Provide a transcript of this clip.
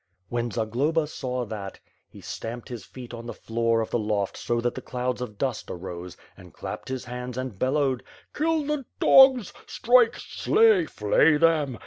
When Zaglolm saw that, he stamped his feet on the floor 496 H^^^^ ^^^^ ^Ar/> awoRD, of the loft so that clouds of dust arose, and clapped his hands and bellowed: "Kill the dogs! Strike! Slay! Flay them!